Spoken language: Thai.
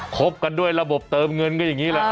บกันด้วยระบบเติมเงินก็อย่างนี้แหละ